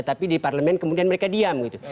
tapi di parlemen kemudian mereka diam gitu